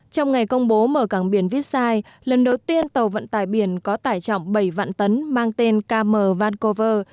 trong ngày công bố mở cảng biển vít sai lần đầu tiên tàu vận tải biển có tải trọng bảy vạn tấn mang tên km vancouver